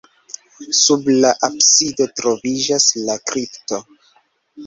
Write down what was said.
Sub la absido troviĝas la kripto.